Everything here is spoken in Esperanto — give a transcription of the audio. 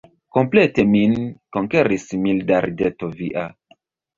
Komplete min konkeris milda rideto via.